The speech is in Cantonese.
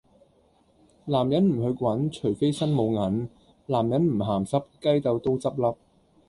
男人唔去滾，除非身冇銀;男人唔鹹濕，雞竇都執粒!